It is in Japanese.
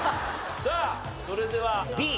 さあそれではＢ。